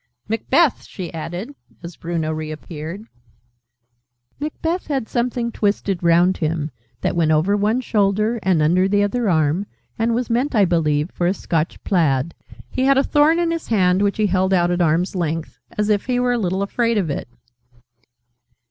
"Macbeth!" she added, as Bruno re appeared. Macbeth had something twisted round him, that went over one shoulder and under the other arm, and was meant, I believe, for a Scotch plaid. He had a thorn in his hand, which he held out at arm's length, as if he were a little afraid of it.